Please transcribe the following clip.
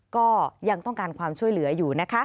ก็ยังต้องการความช่วยเหลืออยู่นะคะ